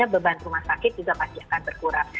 beban rumah sakit juga pasti akan berkurang